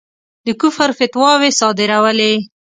د کُفر فتواوې صادرولې.